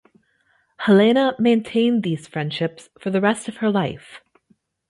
Helena maintained these friendships for the rest of her life.